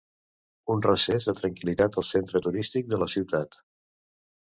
Un recés de tranquil·litat al centre turístic de la ciutat.